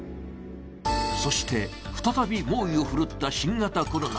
そして、再び猛威を振るった新型コロナ。